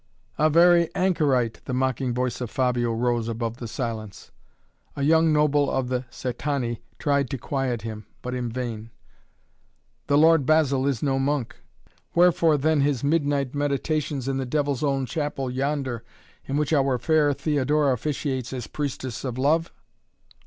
"A very anchorite," the mocking voice of Fabio rose above the silence. A young noble of the Cætani tried to quiet him, but in vain: "The Lord Basil is no monk." "Wherefore then his midnight meditations in the devil's own chapel yonder, in which our fair Theodora officiates as Priestess of Love?"